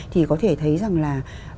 thì có thể thấy rằng là